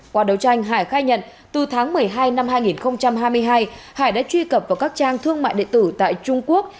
qua đấu tranh hải khai nhận từ tháng một mươi hai năm hai nghìn hai mươi hai hải đã truy cập vào các trang thương mại địa tử tại trung quốc